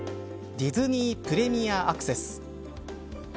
ディズニー・プレミアアクセス。